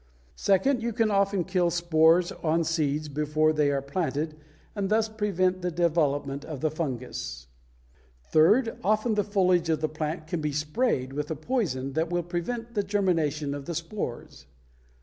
Second, you can often kill spores on seeds before they are planted and thus prevent the development of the fungus (see pp. 134 137). Third, often the foliage of the plant can be sprayed with a poison that will prevent the germination of the spores (see pp.